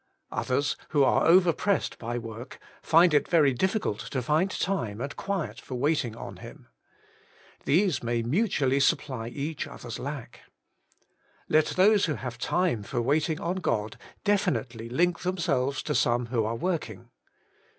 Others, who are overpressed by work, find it very difficult to find time and quiet for waiting on Him. These may mu tually supply each other's lack. Let those who have time for waiting on God defi nitely link themselves to some who are working.